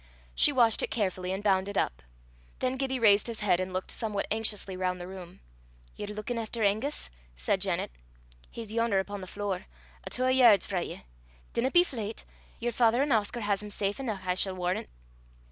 She washed it carefully and bound it up. Then Gibbie raised his head and looked somewhat anxiously round the room. "Ye're luikin' efter Angus?" said Janet; "he's yon'er upo' the flure, a twa yairds frae ye. Dinna be fleyt; yer father an' Oscar hae him safe eneuch, I s' warran'."